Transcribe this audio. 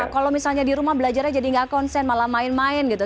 kalau misalnya di rumah belajarnya jadi nggak konsen malah main main gitu